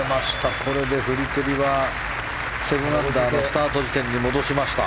これでフリテリは７アンダーのスタート時点に戻しました。